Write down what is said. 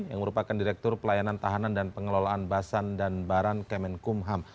yang merupakan direktur pelayanan tahanan dan pengelolaan basan dan baran kemenkumham